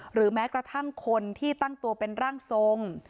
หรือแม้กระทั่งคนที่ตั้งตัวเป็นร่างทรง